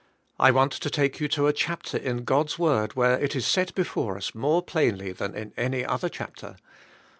I want to take you to a chapter in God's word where it is set before us more plainly than in any other chapter.